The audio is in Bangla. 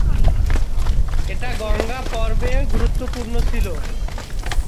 এটা গঙ্গা পর্বে গুরুত্বপূর্ণ ছিলো।